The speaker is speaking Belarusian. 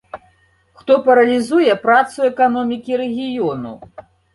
Хто паралізуе працу эканомікі рэгіёну.